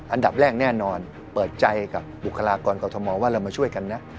อันดับแรกแน่นอนเปิดใจกับบุคลากรกรทมว่าเรามาช่วยกันนะ